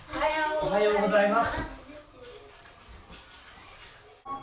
おはようございます。